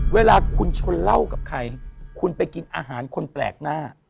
เวลาคุณชนเหล้ากับใครคุณไปกินอาหารคนแปลกหน้า